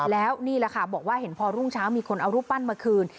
แล้วนี่แหละค่ะบอกว่าเห็นพอรุ่งเช้ามีคนเอารูปปั้นมาคืน